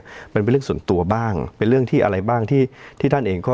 มันเป็นเรื่องส่วนตัวบ้างเป็นเรื่องที่อะไรบ้างที่ที่ท่านเองก็